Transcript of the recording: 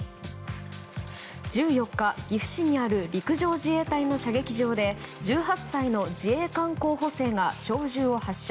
１４日、岐阜市にある陸上自衛隊の射撃場で１８歳の自衛官候補生が小銃を発射。